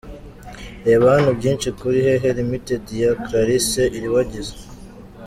Reba hano byinshi kuri HeHe Limited ya Clarisse Iribagiza.